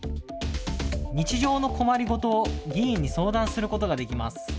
日常の困りごとを議員に相談することができます。